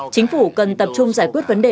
chính phủ cần tập trung giải quyết vấn đề